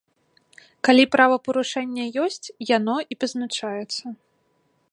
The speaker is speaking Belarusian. Калі правапарушэнне ёсць, яно і пазначаецца.